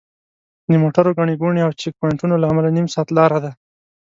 د موټرو ګڼې ګوڼې او چیک پواینټونو له امله نیم ساعت لاره ده.